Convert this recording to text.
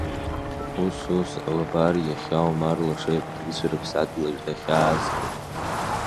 Ус-ус, абар, иахьа Омар лаша иабдуцәа рыԥсадгьылаҿ дахьаазгьы!